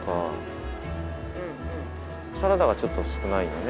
サラダがちょっと少ないのね。